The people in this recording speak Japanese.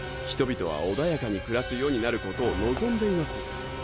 人々は穏やかに暮らす世になることを望んでいます。